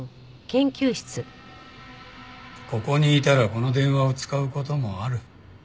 ここにいたらこの電話を使う事もある。